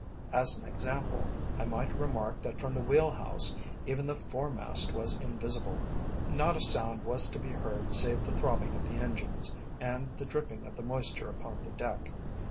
As an example, I might remark that from the wheel house even the foremast was invisible. Not a sound was to be heard save the throbbing of the engines and the dripping of the moisture upon the deck.